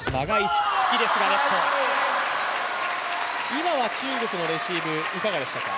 今は中国のレシーブいかがでしたか？